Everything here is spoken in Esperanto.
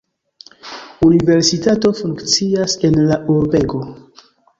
Universitato funkcias en la urbego.